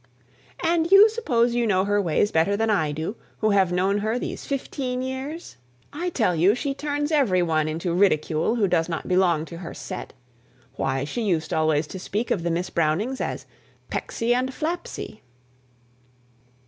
"And you suppose you know her ways better than I do who have known her these fifteen years? I tell you she turns every one into ridicule who does not belong to her set. Why, she used always to speak of Miss Brownings as 'Pecksy and Flapsy.'"